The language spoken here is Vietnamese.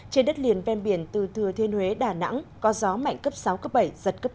trên đất liền ven biển từ thừa thiên huế đà nẵng có gió mạnh cấp sáu cấp bảy giật cấp tám